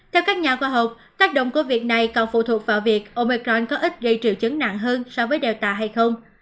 theo các nhà khoa học tác động của việc này còn phụ thuộc vào việc omicron có ít gây triệu chứng nặng hơn so với delta hay không